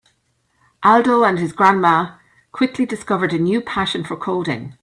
Aldo and his grandma quickly discovered a new passion for coding.